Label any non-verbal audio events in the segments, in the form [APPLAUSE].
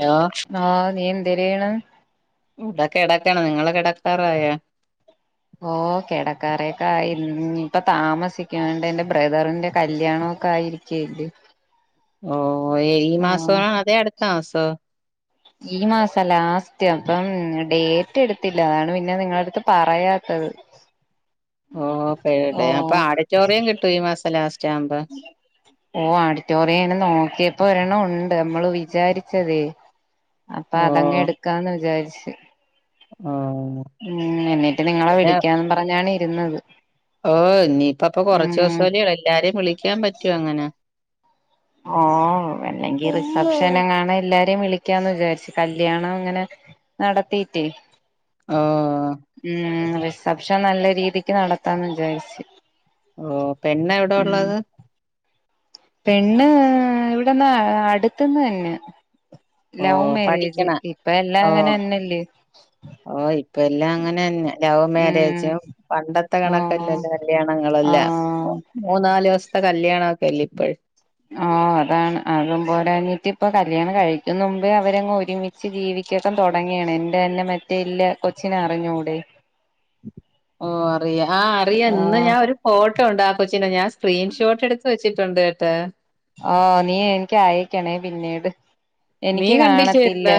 Hello ആഹ് നീ എന്തര് ചെയ്യണ്? ക്കണ് നിങ്ങള് കെടക്കാറായോ? ഓ കെടക്കാറെക്കെ ആയി ഇനി ഇപ്പൊ താമസിക്കും എറെ ബ്രദറിൻ്റെ കല്യാണൊക്കെ ആയിരിക്കയല്ലെ ഓ ഓ ഈ മാസൊവാണ അതേ അടുത്ത മാസ ആ ഈ മാസം ലാസ്റ്റ് അപ്പം ഡേറ്റ് എടുത്തില്ല അതാണ് പിന്നെ നിങ്ങളടുത്ത് പറയാത്തത്. ഓ ഓ പേടേ അപ്പൊ ആഡിറ്റോറിയം കിട്ടോ ഈ മാസം ലാസ്റ്റ്? ആവുമ്പോ ഓ ആഡിറ്റോറിയനെ നോക്കിയ പ്പ ഒരണ്ണം ഉണ്ട് നമ്മള് വിചാരിച്ചതേ അപ്പ ഓ അതങ്ങെട്ക്കാന്ന് വിചാരി ശെരി ഓ ഉം എന്നിട്ട് നിങ്ങളെ പിന്നെ വിളിക്കാന്നും പറഞ്ഞാണ് ചെന്നത് ഓ ഇനീപ്പപ്പൊ കൊറച്ച് ദിവസല്ലെയുള്ള് എല്ലാരേം വിളിക്കാൻ പറ്റോ അങ്ങനെ ഓ അല്ലെങ്കി റിസപ്ഷനെങ്ങാണ് എല്ലാരേം വിളിക്കാന്ന് വിചാരിച്ച് കല്ല്യാണം അങ്ങനെ നടത്തീട്ടെ ഓ ഉം റിസപ്ഷൻ നല്ല രീതിക്ക് നടത്താന്ന് വിചാരിച്ച് ഓ പെണ്ണ് എവിടെ ഉം ഒള്ളത് പെണ്ണ് ഇവിടെന്ന് അടുത്ത്ന്ന് തന്നെ ഓ ലൗമാരേജ് പഠിക്കണ ഇപ്പ എല്ലാം ഓ അങ്ങനെന്നല്ലേ ഇപ്പം എല്ലാം അങ്ങനെന്നെ ലൗമാരേജും പണ്ടത്തെ ഓ കണക്കല്ലല്ല കല്യാണങ്ങ്ളല്ല ആഹ് മൂന്നാലൂസ്ത്തെ കല്യാണ [UNINTELLIGIBLE] ആ അതാണ് അതുംപോലാഞ്ഞിട്ട് ഇപ്പൊ കല്യാണം കഴിക്കുന്നുമ്പേ അവരങ്ങ് ഒരുമിച്ച് ജീവിക്കക്കം തൊടങ്ങെണ് ന്റെ ല്ല മറ്റേ ഇല്ല കൊച്ചിനെ അറിഞ്ഞൂടെ ഓ അറിയ ആ അറിയ ഇന്ന് ആഹ് ഞാ ഒരു ഫോട്ടോ ഉണ്ട് ആ കൊച്ചിന്റെ ഞാൻ സ്ക്രീൻഷോട്ട് എടുത്ത് വെച്ചിട് [UNINTELLIGIBLE] ആ നീ എനിക്ക് അയക്കണേ പിന്നീട് നീ എനിക്ക് കാണത്തില്ല കണ്ടില്ലായിരുന്ന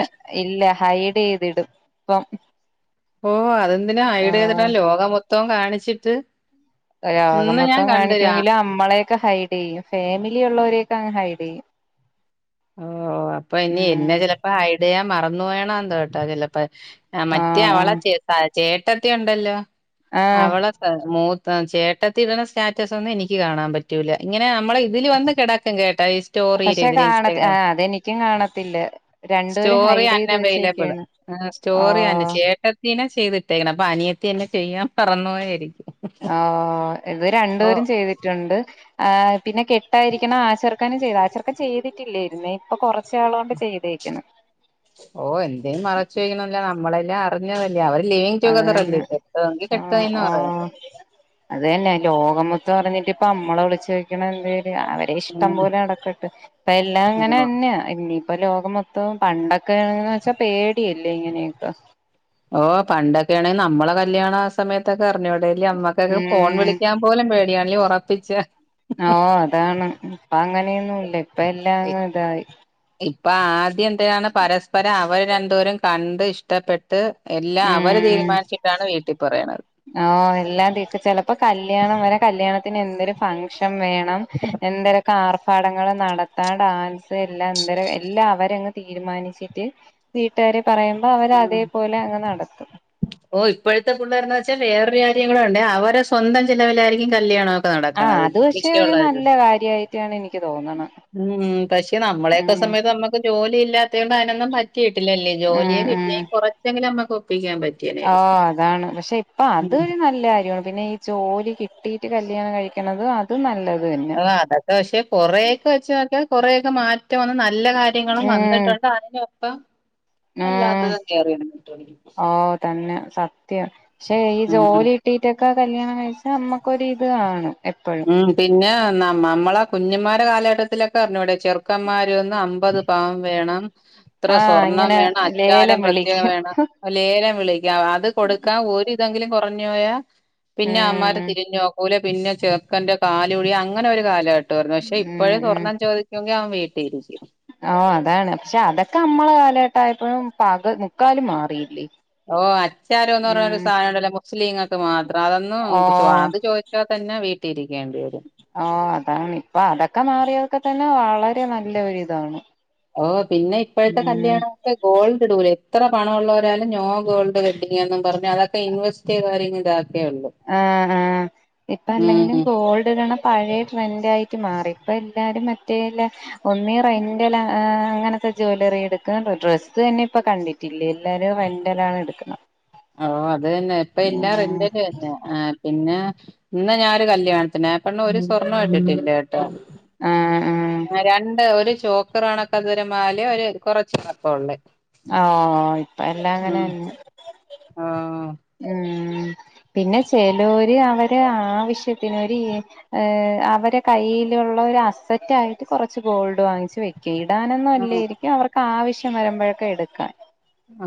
ഇല്ല ഹൈഡെയ്തിടും പ്പം ഓ ആ ച്ചിട്ട് ലോകം മൊത്തം കാണിക്കുവെങ്കിലും നമ്മളെയെക്കെ ഹൈടെയും ഫാമിലി ഉള്ളവരൊക്കെ ങ്ങനെ ഹൈഡ് ഓ അപ്പൊ ഇനി ഉം എന്നെ ചെലപ്പ ഹൈഡയ്യാ മറ ന്നു വേണോ എന്തോ കേട്ടാ ചിലപ്പ ആ മറ്റേ ആഹ് അവളെ ആഹ് ചേർതാ ചേട്ടത്തി ഒണ്ടല്ലോ ആഹ് അവള സ മൂ പ്പം ചേട്ടത്തി ഇട്ണ സ്റ്റാറ്റസ് ഒന്നും എനിക്ക് കാണാൻ പറ്റൂല്ല ഇങ്ങനെ ആം മ്മളെ ഇതില് വന്ന് കെടക്കും കേട്ടാ ഈ സ്റ്റോറി ആ അതെനിക്കും കാണത്തില്ല രണ്ടുപേരേം സ്റ്റോറി ഹൈഡ് ചെയ്ത് അൺഅവൈലബിള് വെച്ചേക്കാണ് ഓ ന്നെ ചെയ്തിട്ടേക്കണേ അപ്പൊ അനിയത്തി എന്നെ ചെയ്യാംമറന്ന് പോയെയിരിക്കും ആ ഇത് രണ്ടുപേരും ചെയ്തിട്ടുണ്ട് ആ പിന്നെ കെട്ടായിരിക്കണം ആച്ചറ്ക്കനും ചെയ്ത് ആചെർക്ക ഓ എന്തിന് മറച്ച് വയ്ക്കണ് എല്ലാം നമ്മളെല്ലാം അ [UNINTELLIGIBLE] അത് തന്നെ ആ കെട്ടുകയെന്ന് ആ പറയും അത് തന്നെ ലോകം മൊ പറഞ്ഞിട്ട്പ്പ നമ്മെളെ വിളിച്ചോയ്ക്കണേ എന്തേ അവരെ ഇഷ്ടം ഉം പോലെ നടക്കട്ടെ ഇപ്പ എല്ലാം അങ്ങനെ ഓ തന്നെയ ഇ ഇപ്പൊ ലോകം മൊത്തം പണ്ടൊക്കെണന്ന് വെച്ചാ പേടിയല്ലേ ഇങ്ങനെയൊക്കെ ഓ പണ്ടൊക്കെ ആണെങ്കിൽ നമ്മളെ കല്യാണ ആ സമയത്തൊക്കെ അറിഞ്ഞോ അ അമ്മക്കെ ഫോൺ ഉം വിളിക്കാൻ പോല പേടിയണെ [UNINTELLIGIBLE] ഓ അതാണ് അപ്പ അങ്ങനെയൊന്നുംല്ല ഇപ്പ എല്ലാംങ്ങ് ഇതായി അപ്പ ആദ്യം എന്തതിനാണ് പരസ്പരം അവര് രണ്ടോരും കണ്ട് ഇഷ്ടപ്പെട്ട ഉം വീട്ടിൽ പറയണത് ആ എല്ലാ തീക്ക് ചെലപ്പോ കല്യാണം വരെ കല്യാണ ന് എന്തൊരു ഫങ്ഷൻ വേണം എന്തര ആർഭാടങ്ങൾ നടത്താൻ ഡാൻസ് എല്ലാം എന്തര എല്ലാം അവരങ്ങ് തീരുമാനിച്ചിട്ട് വീട്ടുകാരെ പറയുമ്പോ അവര് ഉം അതേപോലെ അങ്ങനെ ഓ ഇപ്പോഴത്തെ പിള്ളാരുന്ന വച്ചാ വേറൊരു കാര്യങ്ങളുണ്ട് അവര് സ്വന്തം ചിലവിലായിരിക്കും കല്യാണം ആ നടക്കണത് അത് പക്ഷെ ഒരു നല്ല കാര്യായിട്ടാണ് എനിക്ക് തോന്നണെ [UNINTELLIGIBLE] പക്ഷെ നമ്മളെയെക്കെ ഉം സമയത്ത് നമുക്ക് ജോലി ഇല്ലാത്ത പാനൊന്ന പറ്റിട്ട് ല്ലല്ലേ ഉം ജോലിയെ കിട്ട ഉം എ കുറച്ചെങ്കില അമ്മക്ക് ഓ അതാണ് പക്ഷെ ഇപ്പൊ ഉം. അതൊരു നല്ല കാര്യമാണ് പിന്നെ ജോലി കിട്ടിയിട്ട് കല്ല്യാണം കഴിക്കണത് അത് നല്ലത് തന്നെ ആ അതൊക്കെ പക്ഷെ കൊറെയൊക്കെ വെച്ച നോക്കെ കുറേയൊക്കെ മാറ്റം വ എല്ല കാര്യങ്ങളും ഉം വന്നിട്ടുണ്ട് അ അപ്പ ഉം ഓ തന്നെ സത്യം പക്ഷെ ഈ ഉം ജോലി കിട്ടിട്ട പ്പ കല്യാണം കഴിച്ചാ നമ്മക്കൊര് ഇത് കാണും എപ്പഴും ഉം പിന്നെ എന്നാ മമ്മളെ കുഞ്ഞന്മാടെ കാലഘട്ടത്തിലൊക്കെ അറിഞ്ഞൂടെ ചെറുക്കന്മാ അമ്പത് പംവേണം ഇത്ര ആഹ് സ്വർണം ഇങ്ങനെ വേണം അച്ചാരം ലേലം പ്രത്യേകം വിളിക്കും വേണം ലേലം വിളി അത് കൊടുക്കാൻ ഒരു എന്തെങ്കിലും കുറഞ്ഞ പോയാ പിന്നെ അമ്മാര് ഉം തിരിഞ്ഞോക്കൂല പിന്നെ ചേർ ന്റെ കാലൂഴി അങ്ങനെ ഒരു കാലക ഷെ ഉം ഇപ്പോഴേ ഉം സ്വർണം ചോദിക്കെങ്കിൽ അവൻ വീട്ട് ശരി ശരി ഓ അതാണ് പക്ഷെ അതൊക്കെ നമ്മളെ കാലഘട്ടയപ്പോഴും പക മുക്കാലും മാറിയില്ലേ ഓ അച്ചാരോന്ന് പറഞ്ഞരു ഉം സാധനം ഉണ്ടല്ലോ സ്ലീങ്ങക്കെ മാ അ അതൊന്നും ഓ അത് ചോദിച്ചാൽ തന്നെ വീട്ട തിരി ഓ അതാണ് ഇപ്പൊ അതൊക്കെ മാറിയോ ക്കെ തന്നെ വളരെ നല്ല ഒരിതാണ് ഓ പിന്നെ ഇപ്പോഴത്തെ ഉം കല്യാണൊക്കെ ഗോൾഡ് ഇടൂലെ ഇത്ര പണമുള്ളള്ളവരും നോ ഗോൾഡ് വെഡിങാന്ന് പറഞ്ഞ് അതൊക്കെ ഇൻവെസ്റ്റ് ചെയ്തു ഇതാക്ക ആ ആ ഇപ്പ അല്ലെങ്കിലും ഉം ഗോൾഡ് ഇടണം പഴയ ട്രെൻറ് ആയിട്ട് മാറി ഇപ്പ എല്ലാരും മറ്റേല്ല ഒന്നി റെന്റൽ അങ്ങനത്തെ ജ്വലറി എടുക്കുന്നു ഡ്രസ്സ് തന്നെ ഇപ്പ കണ്ടിട്ടില്ലേ എല്ലാരും റെന്റലാണ് എടുക്കുന്നത് ഓ അത് തന്നെ ഇപ്പ എല്ലാ റെന്റല ന്നെ ആ പിന്നെ ഇന്ന് ഞാനൊരു കല്യാണത്തിനെ ആ പെണ്ണ് ഒരു സ്വർണ്ണം ഇട്ടിട്ടില്ലേ ആഹ് ആഹ് രണ്ട് ഒരു ചോക്കർ കണക്കവരെമാലേ ഒരു കൊറച്ച് [UNINTELLIGIBLE] ഉള്ളേ ഓ ഇപ്പ എല്ലാം അങ്ങനെന്നെ ആ ഉം ഉ പിന്നെ ചിലര് അവര് ആവശ്യത്തിനൊര് അവരെ കയ്യിലുള്ള ഒരു അസറ്റ ആയിട്ട് കൊറച്ച് ഗോൾഡ് വാങ്ങിച്ചു വയ് കേടാനൊന്നും ആ അല്ലായിരിക്കും അവർക്ക് ആവശ്യം വരുമ്പോഴൊക്കെ എടുക്കാൻ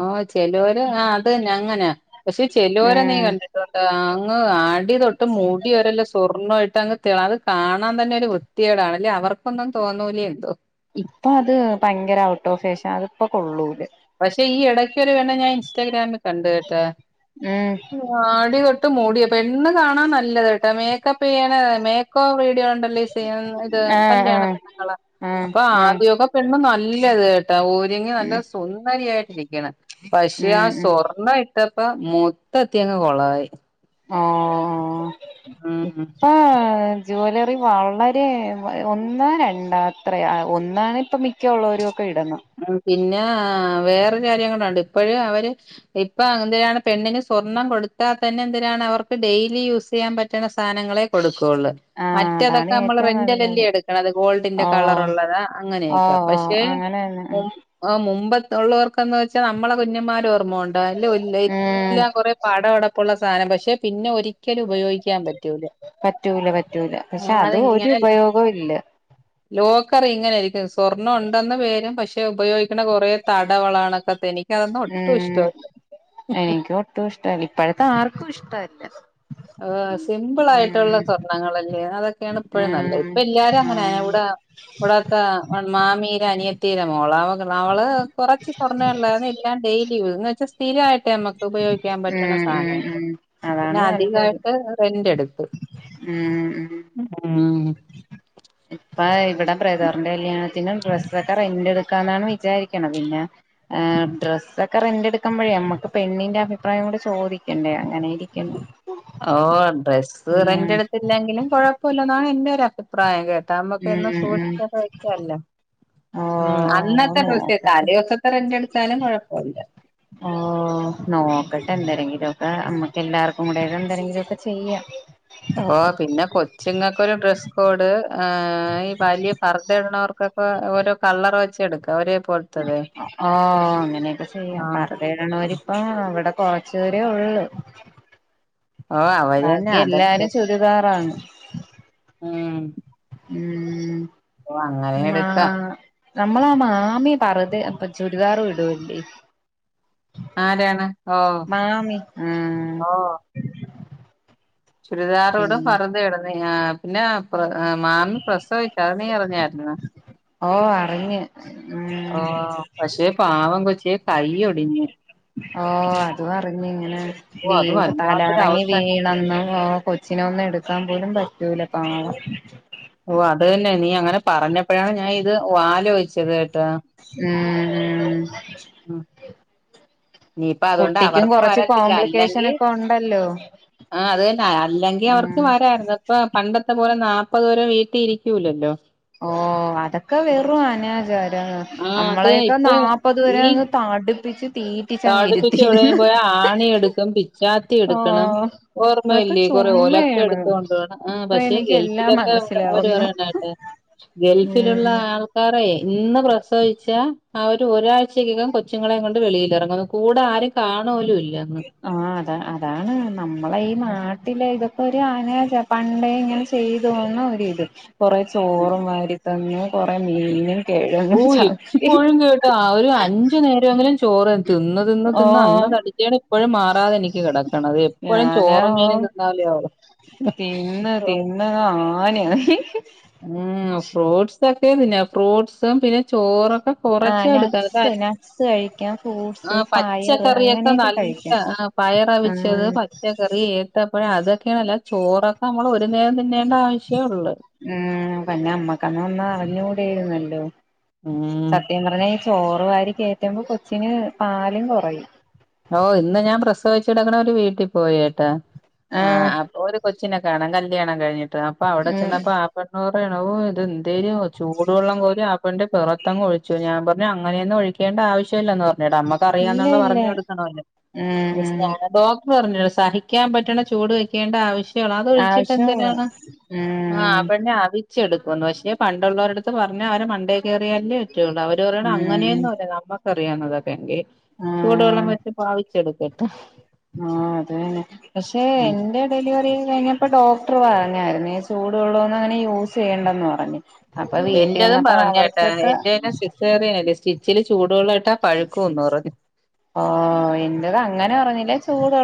ആ ചെലോര് ആ അത് തന്നെ അങ്ങനെയ പക്ഷെ ചെല്ലുവോര നീ ഉം കണ്ടിട്ടുണ്ടാ ഓ ആൺ അടിതൊട്ട് മൂടിവരെല്ലാം സ്വർണ്ണമായി ങ് അത് കാണാൻ തന്നെ ഒരു വൃത്തിയേടാണ് അല്ലേ അവർക്കൊന്നും തോന്നൂലേ എന്തോ ഇപ്പൊ അത് ഭയങ്കര ഔട്ട് ഓഫ്ഫാഷൻ അത്പ്പം കൊള്ളൂലാ പക്ഷെ ഈ എടക് ഇത് ഒരെണ്ണംഞാൻ ഇൻസ്റ്റഗ്രാമിൽ കണ്ട്കേട്ടോ ഉം അടിതൊ പെണ്ണ്കാണാൻ നല്ലത്ട്ടോ മേക്കപ്പ് ചെയ്യേണ്ട മേക്ക്ഓവറി ണ്ടല്ലേ ഇത് ആഹ് കല്യാണ ആഹ് പെണ്ണുങ്ങളാ ആഹ് അപ്പൊ ആഹ് ആദ്യമൊക്കെ പെണ്ണ് നല് ഇ [UNINTELLIGIBLE] ഒരുങ്ങി വന്നു ഉം സുന്ദരിയായിട്ടിരിക്കണം പക്ഷേ ആ ഉം ഉം സ്വർണ്ണംയിട്ട്- ഇപ്പ മൊത്തത്തിയങ്ങ് കൊളായി ആആ നും ഹും ജ്വലറി വളരെ ഒന്ന് രണ്ട് അത്ര ഒന്നാണ് ഇപ്പം മിക്കഉളളവരും ഒക്കൊ ഇടണം പിന്നെ വേറൊരു കാര്യംകൂടി ഉണ്ട് ഇപ്പോഴും അവര് ഇപ്പ എന്തിനാണ് പെണ്ണിന് സ്വർണം കൊടുത്താൽ തന്നെ എന്തിരാണ് അവർക്ക് ഡെയിലി യൂസ് ചെയ്യാൻ പറ്റണ സാധനങ്ങളെ കൊടുക്കു ആഹ് അതാണ് മറ്റേതൊക്കെ നമ്മള് ഏറ്റവും നല്ലത് റെൻറ്റ്നല്ലേഎടുക്കുണത് അത് ഗോൾഡിന്റെ ഓ കളർള്ളത് ഓ അങ്ങനെയൊക്കെ ഓ പക്ഷേ- അങ്ങനെ തന്നെ ആ മുമ്പത്ത് ഉള്ളവർക്കെന്ന് വെച്ചാൽ നമ്മള്കുഞ്ഞന്മാരോ- ഉം മെടല്അല്ലഎല്ലാം കൊറെ പടവടപ്പള്ള സാധനം പക്ഷേ പിന്നെ ഒരിക്കലും ഉപയോഗിക്കാൻ പറ്റൂല പറ്റൂല പറ്റൂല ആ പക്ഷേഅത് ഒരു അതിങ്ങനെ ഉപയോഗവും ഇല്ല ക്കറിഇങ്ങനൊയിരിക്കുംസ്വർണ്ണം ഉണ്ടെന്ന പേരും പക്ഷേ ഉപയോഗി- കൊറെ തടവളകണക്കെത്തെ എനിക്കതൊന്നും ഒട്ടും ഉം ഇഷ്ടല്ല കുഷ്ട്ടല്ല സിംമ്പിൾ ആയിട്ടുള്ള സ്വർണ്ണങ്ങളല്ലേ അതൊക്കെയാണ് എപ്പെഴും നല്ലത് ഉം ഇപ്പ എല്ലാരും അങ്ങനെ ആഹ് ഇവിടെ ഇവിടത്തെ മാമീടെഅനിയത്തി- തിരമോള [UNINTELLIGIBLE] അവള് കൊറച്ച് സ്വർണ്ണമേഉള്ളായിരുന്നു എല്ലാം ഡയ എന്ന് വൊച്ചാ സ്ഥിരമായിട്ട് അമ്മക്ക്- ഉപയോഗിക്കാൻ പറ്റുന്ന ഉം ഉം സാധനങ്ങള് ഉം പിന്നെ അതാണ് നല്ലത് തായിട്ട് അത് വരും ന്റെ അടുത്ത് ഉം ഉം ആഹ ഇപ്പ ഇവിടെ ബ്രദര്ന്റി കല്യാണത്തിനും ഡ്രസ്സൊക്കെ റെന്റ് എടുക്കാ എന്നാണ് വിചാരിക്കണ പിന്നെ ഡ്രസ്സൊക്കെ റെന്റ് എടുക്കാൻ്പഴേ നമ്മുക്ക് പെണ്ണിന്റെ അഭിപ്രായം കൂടി ചോദിക്കണ്ടേ അങ്ങനെ ഇരിക്കുന്നു ഓ ഡ്രസ്സ് ഉം റെന്റ്ടുത്തില്ലെങ്കിലും കൊഴപ്പമില്ലന്നാണ് എന്റെ - രാെ പുായ ക [INAUDIBLE] ഉം കത്ത്പൊക്ക ഉം സൂക്ഷിച്ച വഴക്കല്ലോ ഉം ഓഹ് അന്നത്തെ ഡ്രസ് താല നോക്കട്ടെ ദിവസത്തെ റെണ്ടെടുത്താലും കുഴപ്പില്ല ഓഹ് നമ്മുക്ക് എല്ലാർക്കും കൂടെ എന്തെങ്കിലും ഒക്കെ ചെയ്യാം ഓ പിന്നെ കൊച്ചിങ്ങക്കൊ ഒരു ഡ്രെസ് കോഡ് ആഹ.. വലിയ പർദ്ദ ഇടുന്നവർക് ഇപ്പൊ ഓരോ കളർ വെച്ച് എടുക്കാം പോലത്തതെ ഓ അങ്ങനെയൊക്കെ ചെയ്യാം ആഹ് പർദ്ദ ഇടുന്നവര് ആഹ് ഒക്കെ കൊറച്ചു നേരവേ ഒള്ളു ഓ അവര് തന്നെ ബാക്കി എല്ലാരും അതനുസരിച്ച് ചുരിദാറാണ് ഉ ഉം ഉംഉം അപ്പ അങ്ങനെ എടുക്ക നമ്മളാ മാമിയ പറത് അപ്പൊ ചുരിദാറും ഇടുണ്ടി ആരാണ് ഓ ആഹ് ഓ ചുരിദാറും പിന്നെ പർദ്ദയുണ്ടഉം അെ ആ പിന്നെ ആ മാമി പ്രസവഹിച്ചു അത് നീ ഇറഞ്ഞായിുന്ന ഓ അറിഞ്ഞ് ഉം പക്ഷെ പാവം കൊ പച്ചേ കൈ ഒടിഞ്ഞ് ഓ അതും അറിഞ്ഞു ഇങ്ങനെ ഓ വീ അത് തല ഇറങ്ങി വല്ലാത്തൊരവസ്ഥ വീണന്ന് ഓ കൊ അച്ഛിനെ ഒന്നും എടുക്കാൻ പോലും പറ്റൂല പാാവ ഓ അത് തന്നെ നീ അങ്ങനെ പറഞ്ഞപ്പോഴാണ് ഞാൻ ഇത് വാല വെച്ചത് കേട്ട് മം ഉ നീപ്പ അതുകൊണ്ട് കുട്ടിക്കും അവർക്ക് കൊറച്ച് വരത്തില്ല അല്ലെങ്കിൽ കോംപ്ലിക്കേഷനൊക്കെ ഉണ്ടല്ലോ ആ അത് തന്നെ അല്ലെങ്കിൽ അവർക്ക് ഉം വരരുന്നു ഇപ്പ പണ്ടത്തെ പോലെ നാ മുപ്പത്തോരം വീട്ടി ഇരിക്കൂലല്ലോ ഓ അതൊക്കെ വെറും അനാചാരം ആ അത് നമ്മളെയൊക്കെ നാപ്പത് വരെ അങ്ങ് തടിപ്പിച്ച് തീറ്റിച്ചങ്ങ് [UNINTELLIGIBLE] എവിടേലും ഇരുത്തിയിരുന്നു പോയാ ആണി എടുക്കും പിച്ചാത്തി ഓ എടുക്കണം അതൊക്കെ ഓർമ്മയില്ലേ കൊറെേ ഒലക്കെ ചുമ്മയാണ് എടുത്ത കൊണ്ട് പോണം ആ ഇപ്പൊ പക്ഷെ എനിക്ക് എല്ലാം ഗൾഫിലൊക്കെ അവര് മനസ്സിലാവുന്നു പറയണ കേട്ടെ ഗൾഫിലുള്ള ഉം ആൾക്കാറേ ഇന്ന് പ്രസവിച്ചാ ആ ഒരു ഒരാഴ്ചക്കകം കൊച്ചുങ്ങളെ കൊണ്ട് വെളിയിലിറങ്ങും അ കൂടെ ആരേം കാണപോലുമില്ല ആ അതാ അതാണ് നമ്മളെ ഈ നാട്ടിലെ ഇതൊ ഒരു അനാചാ പണ്ടേ ഇങ്ങനെ ചെയ്തോന്ന് ഒരിത് കൊറേ ചോറും വാരി തന്നു കൊറേ മീന് ഓ എപ്പോഴും കേട്ട് ആ ഒരു അഞ്ചു നേരമെങ്കിലും ചോറ് തിന്ന് തിന്ന് ഓ തിന്ന് അന്ന് തടിച്ചാണ് ഇപ്പോഴും മാറാതെനിക്ക് കിടക്കണത് എപ്പോഴും ഞാനാ ചോറും ഓ മീനും തിന്നാല ആകൂ ആനയാ ഫ്രൂട്ട്സൊക്കെ തിന്നാം ഫ്രൂട്ട്സും പിന്നെ ചോറൊ ആഹ് കൊറച്ചേ എടുക്ക നട്ട്സ് നട്ട്സ് കഴിക്കാം ആ ഫ്രൂട്ട്സ് പയറ് പച്ചക്കറിയൊക്കെ അങ്ങനെയൊക്കെ നല്ല കഴിക്കാം പയറ് അവിച്ചത് ആഹ് പച്ചക്കറി ഏത്തപ്പഴം അത് [UNINTELLIGIBLE] ചോറൊക്കെ നമ്മള് ഒരു നേരം തിന്നേണ്ട ആവശ്യമേ ഉള്ളു ഉം പിന്നെ നമ്മക്കന്ന് ഒന്നും അറിഞ്ഞൂടേരുന്നല്ലോ ഉം സത്യം പറഞ്ഞാ ഈ ചോറ് വാ കേട്ടപ്പോ കൊച്ചിന് പാലും കൊറയും ഓ ഇന്ന് ഞാൻ പ്രസവിച്ചു കിടക്കണ ഒരു വീട്ടിൽ പോയീട്ടാ ആ ആഹ് അപ്പൊ ഒരു കൊച്ച നെ കാണാൻ കല്യാണം കഴിഞ്ഞി അപ്പൊ അവിടെ ഉം ചെന്നപ്പോ ആ പെണ്ണ് [UNINTELLIGIBLE] അത് എന്തേലും ചൂടുവെള്ളം കോരി ആ പെണ്ണിന്റെ പിറത്തങ്ങ് ഒഴിച്ചു ഞാൻ പറഞ്ഞു പിന്നെ അങ്ങനെയൊന്നും ഒഴിക്കേണ്ട ആവശ്യമില്ലന് പറഞ്ഞു എന്നിട്ട് ഇല്ല നമ്മക്കറിയാന്നുള്ള ഇല്ല പറഞ്ഞു കൊടുത്തു [UNINTELLIGIBLE] ഉം ഉം പറഞ്ഞോളൂ സഹിക്കാൻ പറ്റണ ചൂട് വെക്കേണ്ട ആവശ്യം അതൊഴിച്ചിട്ട് ആവശ്യള്ള എന്തിനാണ് ആ ഉം പെണ്ണ് അവി ച്ചെടുക്കൂന്നു പക്ഷേ പണ്ടുള്ളവരുടെ അടുത്ത് പറഞ്ഞാൽ അതിന് മണ്ടേ കേറിയാൽ അല്ലെ പറ്റുള്ളൂ അവര് പറയണം ഉം അങ്ങനെയന്നും അല്ല നമ്മക്ക് അറിയാവുന്നതൊക്കെ ചൂട് വെള്ളം വെ- രിച്ചെടുക്കട്ടേ ആ അത് തന്നെ പക്ഷെ ഉം എന്റെ ഡെലിവറി കഴിഞ്ഞപ്പോ ഡോക്ടർ പറഞ്ഞായിരുന്നു ചൂട് വെള്ളം ഒന്നും അങ്ങനെ യൂസ് ചെയ്യണ്ടന്ന് പറഞ്ഞു എന്റെതും പറഞ്ഞോട്ടെ എന്റെ സിസേറിയനല്ലേ സി ചില ചൂട് ഓ എന്റെത് അങ്ങനെ പറഞ്ഞില്ലേ ചൂട്